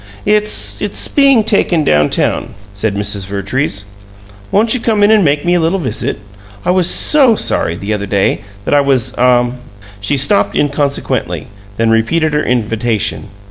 "It's it's being taken down town," said Mrs. Vertrees. "Won't you come in and make me a little visit. I was SO sorry, the other day, that I was ah " She stopped inconsequently, then repeated her invitation.